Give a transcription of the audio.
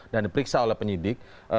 dan diperiksa oleh penyidik